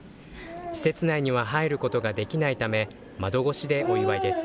施設内には入ることができないため、窓越しでお祝いです。